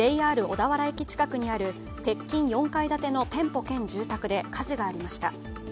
ＪＲ小田原駅近くにある鉄筋４階建ての店舗兼住宅で火事がありました。